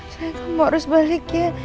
sayang kamu harus balik ya